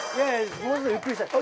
もうちょっとゆっくりしたい。